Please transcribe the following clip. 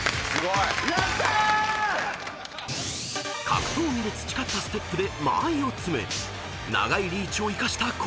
［格闘技で培ったステップで間合いを詰め長いリーチを生かした攻撃］